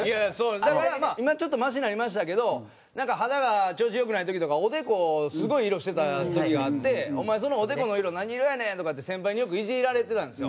だからまあ今ちょっとマシになりましたけどなんか肌が調子良くない時とかおでこすごい色してた時があって「お前そのおでこの色何色やねん！」とかって先輩によくイジられてたんですよ。